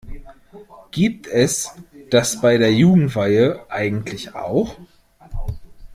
Gibt es das bei der Jugendweihe eigentlich auch?